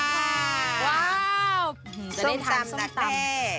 ส้มตำนักแม่จะได้ทำส้มตำ